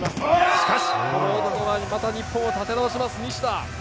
しかしこの男はまた日本、立て直します西田。